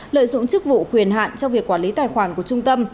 lợi dụng chức vụ quyền hạn trong việc quản lý tài khoản của trung tâm